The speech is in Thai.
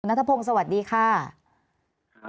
นัทพงศ์สวัสดีค่ะ